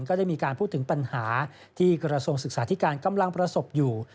ก็ได้มีการพูดถึงปัญหาที่กระทรวงศึกษาธิการกำลังประสบอยู่